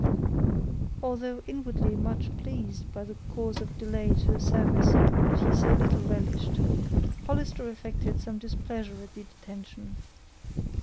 Although inwardly much pleased with any cause of delay to a service that he so little relished, Hollister affected some displeasure at the detention.